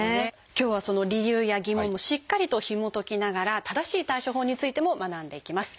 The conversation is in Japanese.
今日はその理由や疑問もしっかりとひもときながら正しい対処法についても学んでいきます。